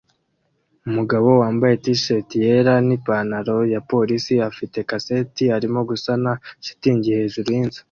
Umugabo wambaye t-shati yera n ipantaro ya policei afite kaseti arimo gusana shitingi hejuru yinzu